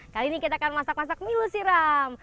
kali ini kita akan masak masak milu siram